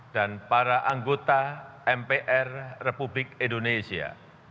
dan para anggota mpr republik indonesia